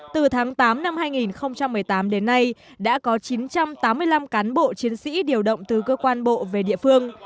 từ tháng tám năm hai nghìn một mươi tám đến nay đã có chín trăm tám mươi năm cán bộ chiến sĩ điều động từ cơ quan bộ về địa phương